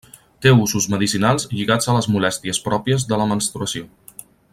Té usos medicinals lligats a les molèsties pròpies de la menstruació.